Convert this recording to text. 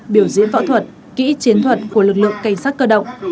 biểu diễn phẫu thuật kỹ chiến thuật của lực lượng cây sát cơ động